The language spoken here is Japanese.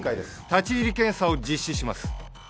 立入検査を実施します。